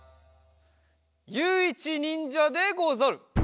ゆういちにんじゃでござる。